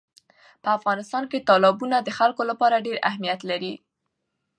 په افغانستان کې تالابونه د خلکو لپاره ډېر اهمیت لري.